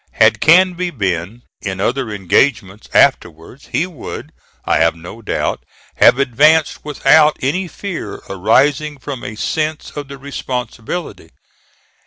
Had Canby been in other engagements afterwards, he would, I have no doubt, have advanced without any fear arising from a sense of the responsibility.